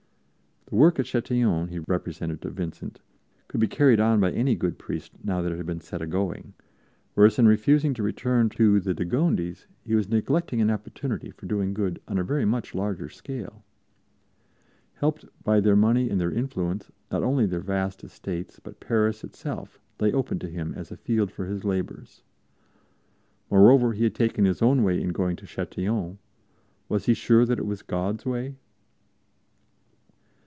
The work at Châtillon, he represented to Vincent, could be carried on by any good priest now that it had been set agoing, whereas in refusing to return to the de Gondis he was neglecting an opportunity for doing good on a very much larger scale. Helped by their money and their influence, not only their vast estates, but Paris itself, lay open to him as a field for his labors. Moreover, he had taken his own way in going to Châtillon; was he sure that it was God's way?